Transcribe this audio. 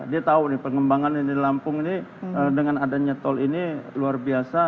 dia tahu nih pengembangan yang di lampung ini dengan adanya tol ini luar biasa